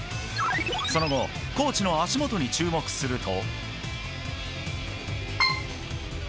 その後コーチの足元に注目すると。